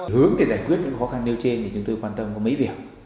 hướng để giải quyết những khó khăn nêu trên thì chúng tôi quan tâm có mấy việc